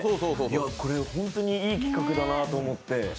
これホントにいい企画だなと思って。